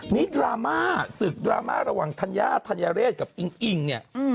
นี่ดราม่าศึกดราม่าระหว่างธัญญาธัญเรศกับอิงอิงเนี่ย